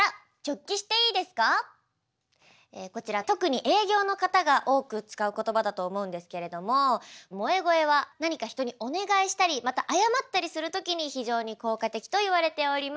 こちら特に営業の方が多く使う言葉だと思うんですけれども萌え声は何か人にお願いしたりまた謝ったりするときに非常に効果的といわれております。